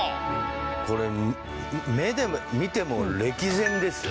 これ目で見ても歴然ですよ。